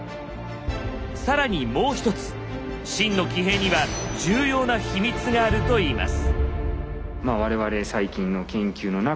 更にもう一つ秦の騎兵には重要なヒミツがあるといいます。